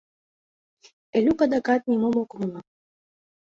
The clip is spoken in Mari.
Элюк адакат нимом ок умыло.